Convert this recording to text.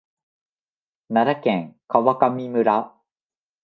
奈良県川上村